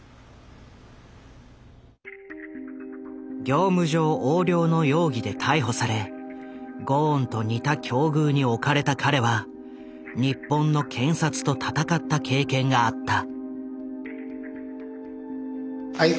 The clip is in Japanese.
業務上横領の容疑で逮捕されゴーンと似た境遇に置かれた彼は日本の検察と戦った経験があった。